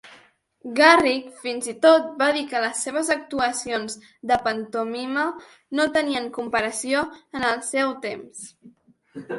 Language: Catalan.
Garrick fins i tot va dir que les seves actuacions de pantomima no tenien comparació en el seu temps.